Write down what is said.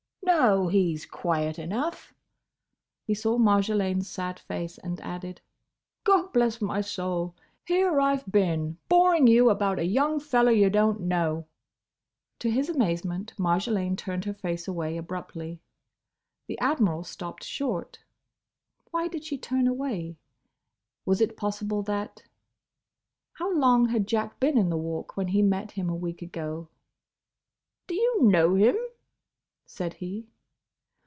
"No. He 's quiet enough." He saw Marjolaine's sad face and added, "Gobblessmysoul! Here I 've been boring you about a young feller you don't know—" To his amazement Marjolaine turned her face away abruptly. The Admiral stopped short. Why did she turn away? Was it possible that—? How long had Jack been in the Walk when he met him a week ago? "Do you know him?" said he.